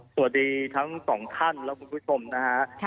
สวัสดีทั้งสองท่านและคุณผู้ชมนะฮะ